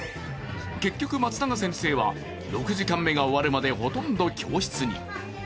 結局、松永先生は、６時間目が終わるまでほとんど教室に。